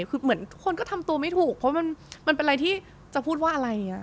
คือเหมือนคนก็ทำตัวไม่ถูกเพราะมันเป็นอะไรที่จะพูดว่าอะไรอย่างนี้